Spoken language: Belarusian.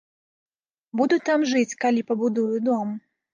Буду там жыць, калі пабудую дом!